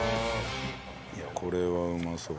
いやこれはうまそう。